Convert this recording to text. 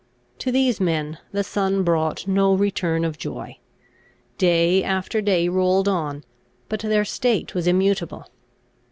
To these men the sun brought no return of joy. Day after day rolled on, but their state was immutable.